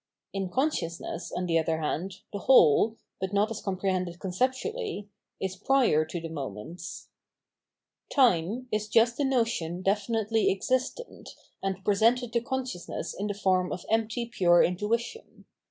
In consciousness, on the other hand, the whole — but not as comprehended con ceptually — is prior to the moments. Time is just the notion definitely existent, and pre sented to consciousness in the form of empty pure intuition.